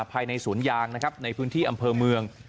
ภายในสวนยางนะครับในพื้นที่อำเภอเมือง